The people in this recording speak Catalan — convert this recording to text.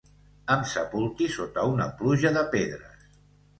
Em sepulti sota una pluja de pedres.